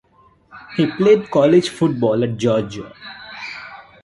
He played college football at Georgia.